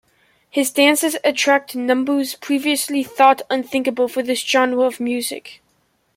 His dances attract numbers previously thought unthinkable for this genre of music.